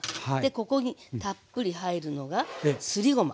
ここにたっぷり入るのがすりごま。